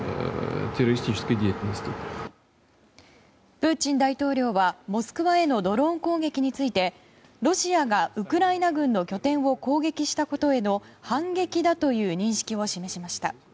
プーチン大統領はモスクワへのドローン攻撃についてロシアがウクライナ軍の拠点を攻撃したことへの反撃だという認識を示しました。